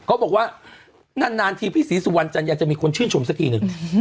บอกว่านานทีพี่ศรีสุวรรณจันอยากจะมีคนชื่นชมสักทีหนึ่ง